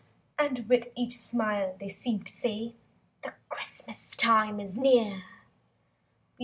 And with each smile they seem to say— "The Christmas time is near."